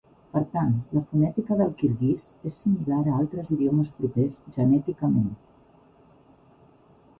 Per tant, la fonètica del kirguís és similar a altres idiomes propers genèticament.